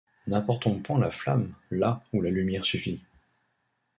N’apportons point la flamme là où la lumière suffit.